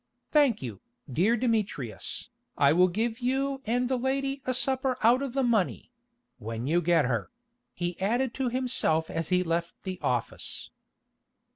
Thank you, dear Demetrius, I will give you and the lady a supper out of the money—when you get her," he added to himself as he left the office.